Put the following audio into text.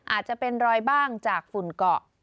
อาจจะเป็นรอยบ้างจากฝุ่นเกาะ